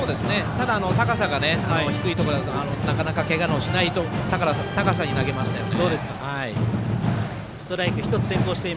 ただ高さが低いところだとなかなか、けがのしない高さに投げましたね。